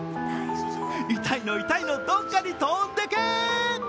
痛いの痛いのどっかに飛んでけ！